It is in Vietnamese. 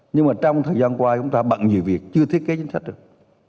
nhưng mà trong thời gian qua chúng ta bận nhiều việc chưa thiết kế chính sách được